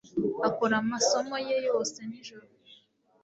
akora amasomo ye yose nijoro